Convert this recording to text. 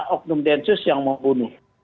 ognum densus yang membunuh